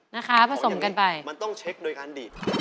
นะคะผสมกันไปมันต้องเช็คโดยการดีด